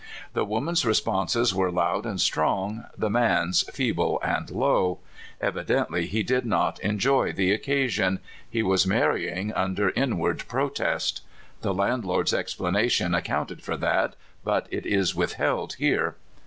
The woman's responses were loud and strong, the man's feebl and low. Evidently he did not en joy the occasion — he was marrying under inward protest. (The landlord's explanation accounted for that, but it is withheld here.)